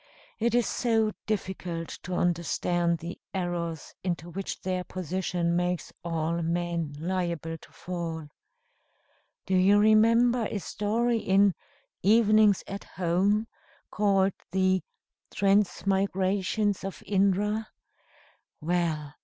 It is so difficult to understand the errors into which their position makes all men liable to fall. Do you remember a story in 'Evenings at Home,' called the Transmigrations of Indra? Well!